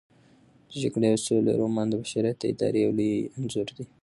د جګړې او سولې رومان د بشریت د ارادې یو انځور دی.